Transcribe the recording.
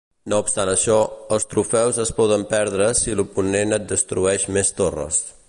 No obstant això, els trofeus es poden perdre si l'oponent et destrueix més torres.